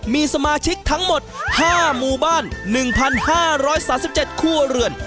มีสมาชิกทั้งหมด๕หมู่บ้าน๑๕๓๗ครัวเรือน